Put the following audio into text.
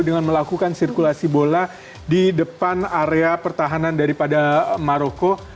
dengan melakukan sirkulasi bola di depan area pertahanan daripada maroko